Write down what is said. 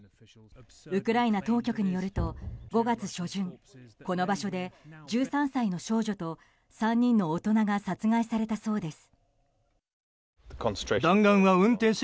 ウクライナ当局によると５月初旬この場所で１３歳の少女と３人の大人が殺害されたそうです。